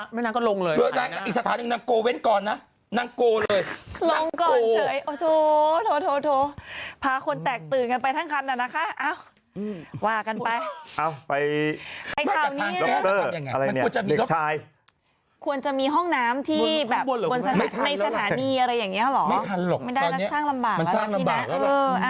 ไม่ทันหรอกตอนนี้มันสร้างลำบากแล้ว